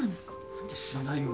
何で知らないの？